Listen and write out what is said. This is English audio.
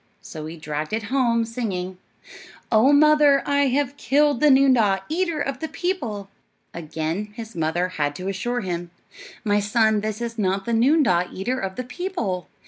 So he dragged it home, singing, "Oh, mother, I have killed The noondah, eater of the people." Again his mother had to assure him, "My son, this is not the noondah, eater of the people."